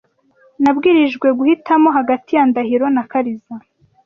Nabwirijwe guhitamo hagati ya Ndahiro na Kariza .